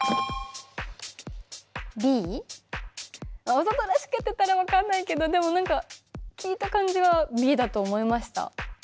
わざとらしくやってたら分かんないけどでも何か聞いた感じはＢだと思いました。